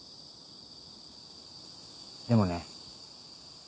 でもね。